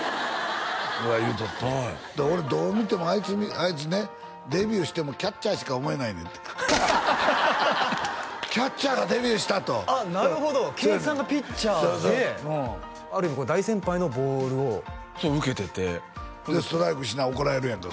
これが言うとった俺どう見てもあいつねデビューしてもキャッチャーしか思えないねんてキャッチャーがデビューしたとあっなるほど健一さんがピッチャーである意味大先輩のボールをそう受けててストライクにしな怒られるやんか